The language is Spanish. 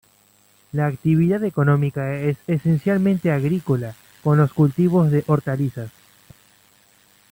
La actividad económica es esencialmente agrícola, con los cultivos de hortalizas.